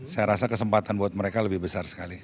saya rasa kesempatan buat mereka lebih besar sekali